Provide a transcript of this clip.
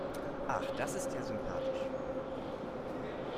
Ach, das ist ja sympathisch.